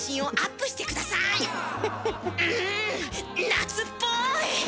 夏っぽい！